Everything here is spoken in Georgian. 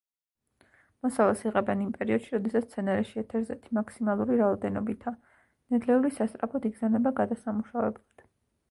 მოსავალს იღებენ იმ პერიოდში, როდესაც მცენარეში ეთერზეთი მაქსიმალური რაოდენობითაა, ნედლეული სასწრაფოდ იგზავნება გადასამუშავებლად.